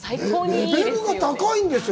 レベルが高いんですよ。